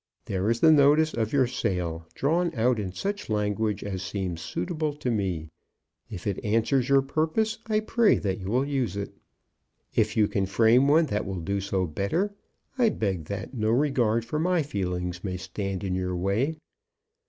There is the notice of your sale, drawn out in such language as seems suitable to me. If it answers your purpose, I pray that you will use it. If you can frame one that will do so better, I beg that no regard for my feelings may stand in your way.